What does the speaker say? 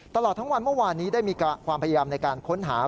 ตลอดทั้งวันเมื่อวานนี้ได้มีความพยายามในการค้นหา